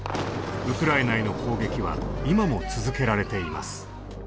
ウクライナへの攻撃は今も続けられています。